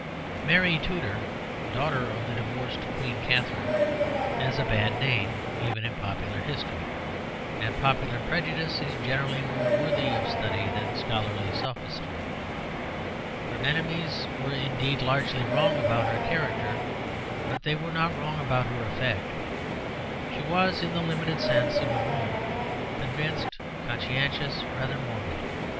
Mary Tudor, daughter of the divorced Queen Katherine, has a bad name even in popular history; and popular prejudice is generally more worthy of study than scholarly sophistry. Her enemies were indeed largely wrong about her character, but they were not wrong about her effect. She was, in the limited sense, a good woman, convinced, conscientious, rather morbid.